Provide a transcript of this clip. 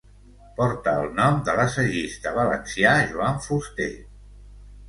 Porta el nom de l'assagista valencià Joan Fuster.